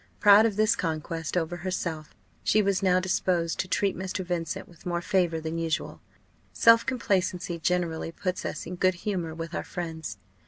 Proud of this conquest over herself, she was now disposed to treat Mr. Vincent with more favour than usual. Self complacency generally puts us in good humour with our friends.